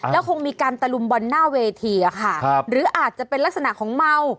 แล้วคงมีการตะลุมบอลหน้าเวทีอะค่ะหรืออาจจะเป็นลักษณะของเมา